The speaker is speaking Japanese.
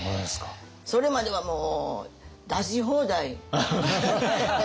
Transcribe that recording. それまではもう出し放題。